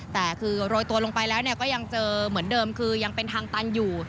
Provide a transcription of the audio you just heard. แต่คือโรยตัวลงไปแล้วก็ยังเจอเหมือนเดิมคือยังเป็นทางตันอยู่